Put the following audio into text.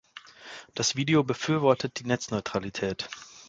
Das Video befürwortet die Netzneutralität.